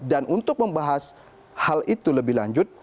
dan untuk membahas hal itu lebih lanjut